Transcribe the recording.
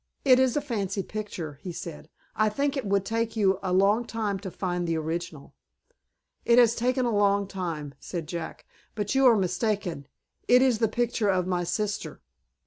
"It is a fancy picture," he said. "I think it would take you a long time to find the original." "It has taken a long time," said Jack. "But you are mistaken. It is the picture of my sister."